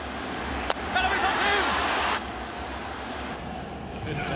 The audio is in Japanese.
空振り三振！